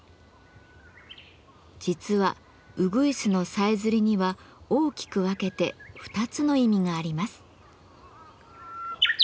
実はうぐいすのさえずりには大きく分けて２つの意味があります。